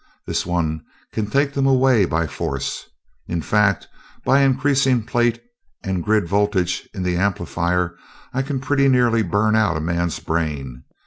This one can take them away by force. In fact, by increasing plate and grid voltages in the amplifier, I can pretty nearly burn out a man's brain.